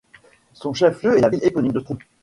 Son chef-lieu est la ville éponyme de Stroud.